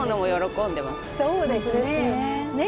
そうですねね